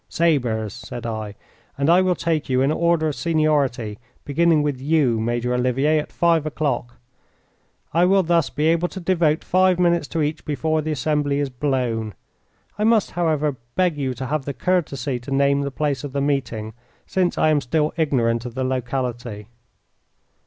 "Sabres," said I. "And I will take you in order of seniority, beginning with you, Major Olivier, at five o'clock. I will thus be able to devote five minutes to each before the assembly is blown. I must, however, beg you to have the courtesy to name the place of meeting, since I am still ignorant of the locality."